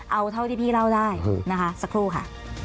เอาเท่าที่พี่เล่าได้นะคะสักครู่ค่ะ